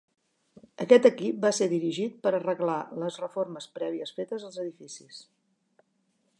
Aquest equip va ser dirigit per arreglar les reformes prèvies fetes als edificis.